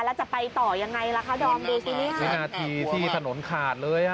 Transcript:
แล้วจะไปต่อยังไงล่ะคะดอมดูสินี่ค่ะวินาทีที่ถนนขาดเลยอ่ะ